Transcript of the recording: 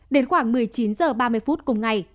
đến khoảng một mươi chín h ba mươi phút cùng ngày